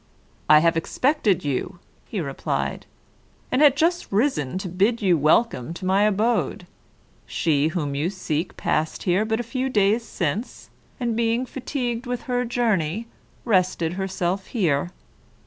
"I have expected you," he replied, "and had just risen to bid you welcome to my abode. She whom you seek passed here but a few days since, and being fatigued with her journey, rested herself here.